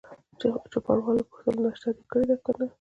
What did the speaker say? چوپړوال وپوښتل: ناشته دي کړې ده او که نه؟